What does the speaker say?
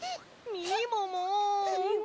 みもも。